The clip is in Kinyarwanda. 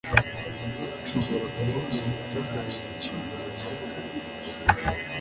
nshobora kubona ubufasha bwawe kubintu runaka